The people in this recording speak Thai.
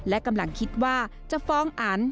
และกำลังคิดว่าจะฟ้องอัน